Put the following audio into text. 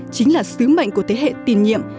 chính là sứ mệnh của thế hệ tiền nhiệm